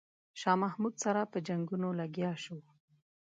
شاه محمود سره په جنګونو لګیا شو.